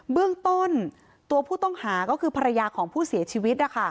เบื้องต้นตัวผู้ต้องหาก็คือภรรยาของผู้เสียชีวิต